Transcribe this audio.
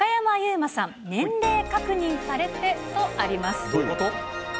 馬さん、年齢確認されてとあります。